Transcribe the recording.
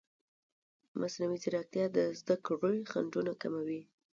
مصنوعي ځیرکتیا د زده کړې خنډونه کموي.